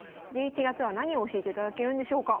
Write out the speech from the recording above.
１１月は何を教えていただけるんでしょうか？